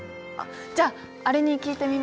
じゃああれに聞いてみま。